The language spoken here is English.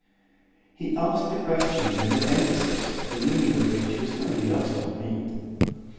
He asked the question with an emphasis the meaning of which was wholly lost on me.